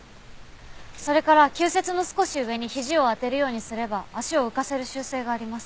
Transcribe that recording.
それから球節の少し上にひじを当てるようにすれば脚を浮かせる習性があります。